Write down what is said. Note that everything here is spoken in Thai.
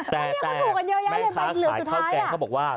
แม่ทักษะขายเข้าแกงเขาบอกว่า